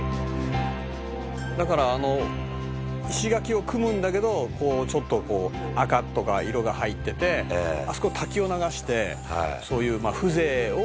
「だからあの石垣を組むんだけどちょっとこう赤とか色が入っててあそこ滝を流してそういう風情をなんかこう」